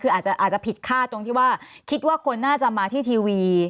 คืออาจจะผิดค่าตรงที่ว่าคิดว่าคนน่าจะมาที่ทีวี